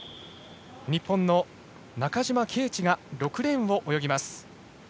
日本の中島啓智が６レーンを泳ぎます。